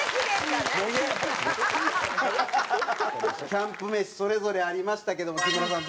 キャンプ飯それぞれありましたけども木村さん